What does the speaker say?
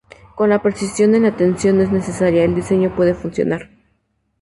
Cuando la precisión en la tensión no es necesaria, el diseño puede funcionar.